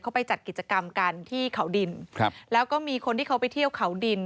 เขาไปจัดกิจกรรมกันที่เขาดินครับแล้วก็มีคนที่เขาไปเที่ยวเขาดิน